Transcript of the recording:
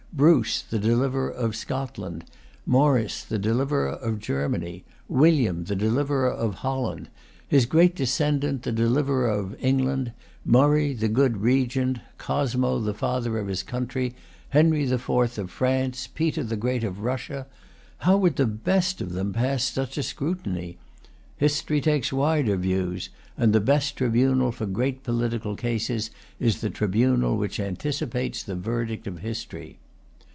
Bruce the deliverer of Scotland, Maurice the deliverer of Germany, William the deliverer of Holland, his great descendant the deliverer of England, Murray the good regent, Cosmo the father of his country, Henry the Fourth of France, Peter the Great of Russia, how would the best of them pass such a scrutiny? History takes wider views; and the best tribunal for great political cases is the tribunal which anticipates the verdict of history.